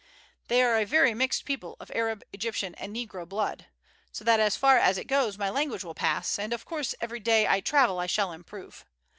They are a very mixed people, of Arab, Egyptian, and Negro blood. So that as far as it goes my language will pass, and of course every day I travel I shall improve.